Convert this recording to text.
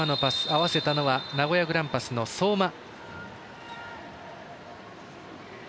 合わせたのは名古屋グランパスの相馬。